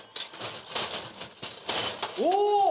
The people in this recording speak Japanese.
お！